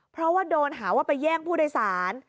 เพราะว่าโดนหาว่าไปแย่งผู้โดยสาร